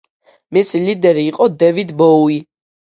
მისი ლიდერი იყო დევიდ ბოუი.